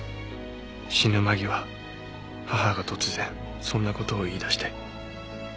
死ぬ間際母が突然そんな事を言い出して。